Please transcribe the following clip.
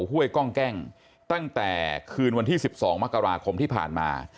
ห้วยกล้องแกล้งตั้งแต่คืนวันที่๑๒มกราคมที่ผ่านมา